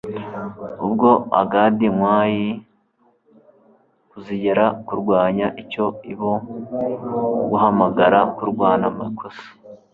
ubwoba agadi-nwayi kuzigera kurwanya icyo ibo guhamagara kurwana amakosa